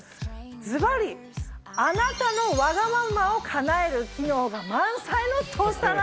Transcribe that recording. ずばりあなたのわがままを叶える機能が満載のトースターなんです！